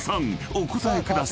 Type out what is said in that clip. お答えください］